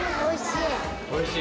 おいしい。